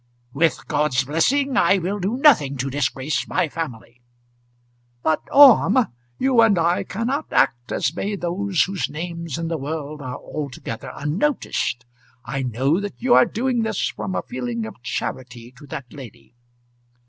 "With God's blessing I will do nothing to disgrace my family." "But, Orme, you and I cannot act as may those whose names in the world are altogether unnoticed. I know that you are doing this from a feeling of charity to that lady."